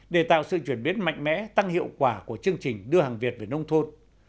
để tạo sự chuyển biến mạnh mẽ tăng hiệu quả của chương trình đưa hàng việt về nông thôn